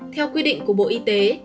theo quy định của bộ y tế